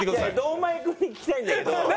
堂前君に聞きたいんだけど。